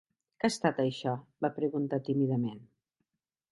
Què ha estat això?, va preguntar tímidament.